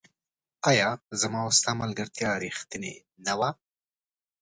آيا زما او ستا ملګرتيا ريښتيني نه وه